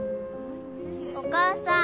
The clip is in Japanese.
お母さん